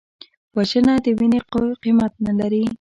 وژنه د وینې قیمت نه لري